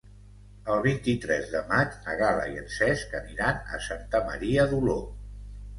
El vint-i-tres de maig na Gal·la i en Cesc aniran a Santa Maria d'Oló.